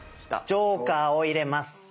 ジョーカーを入れます！